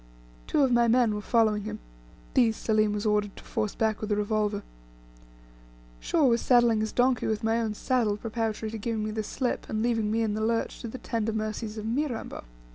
Two of my men were following him; these Selim was ordered to force back with a revolver. Shaw was saddling his donkey with my own saddle, preparatory to giving me the slip, and leaving me in the lurch to the tender mercies of Mirambo.